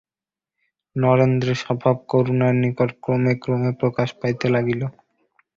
নরেন্দ্রের স্বভাব করুণার নিকট ক্রমে ক্রমে প্রকাশ পাইতে লাগিল।